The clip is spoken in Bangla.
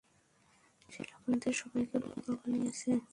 সে আপনাদের সবাইকে বোকা বানিয়েছে!